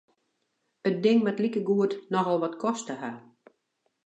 It ding moat likegoed nochal wat koste ha.